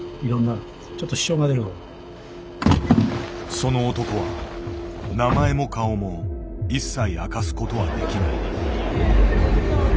その男は名前も顔も一切明かすことはできない。